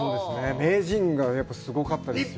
名人のが、すごかったです。